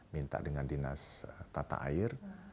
minta dengan dinas tata air